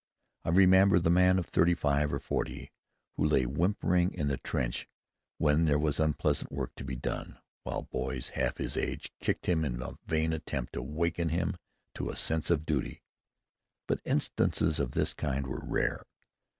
I remember the man of thirty five or forty who lay whimpering in the trench when there was unpleasant work to be done, while boys half his age kicked him in a vain attempt to waken him to a sense of duty; but instances of this kind were rare.